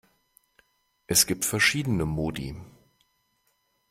Es gibt verschiedene Modi.